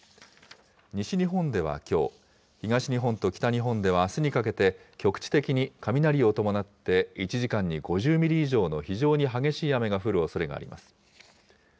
西日本ではきょう、東日本と北日本ではあすにかけて局地的に雷を伴って、１時間に５０ミリ以上の非常に激しい雨が降るおそれがあります。